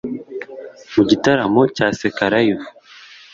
Mu gitaramo cya Seka Live